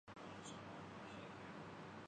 ان کے ٹائروں میں ہوا بھری گئی تھی۔